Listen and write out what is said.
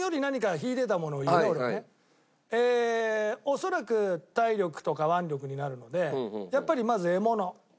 恐らく体力とか腕力になるのでやっぱりまず獲物。